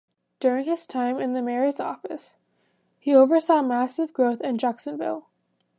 During his time in the mayor's office, he oversaw massive growth in Jacksonville.